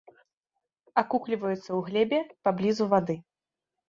Акукліваюцца ў глебе паблізу вады.